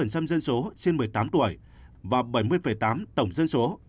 đạt hai mươi tám tám dân số trên một mươi tám tuổi và bảy mươi tám tổng dân số